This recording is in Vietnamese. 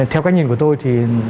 theo cách nhìn của tôi thì